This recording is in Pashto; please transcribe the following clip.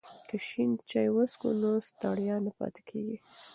که شین چای وڅښو نو ستړیا نه پاتې کیږي.